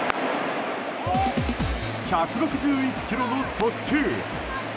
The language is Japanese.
１６１キロの速球。